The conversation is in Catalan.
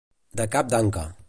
De cap d'anca.